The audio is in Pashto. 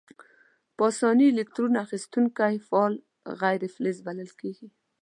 په آساني الکترون اخیستونکي فعال غیر فلز بلل کیږي.